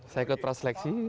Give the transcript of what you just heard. saya ikut praseleksi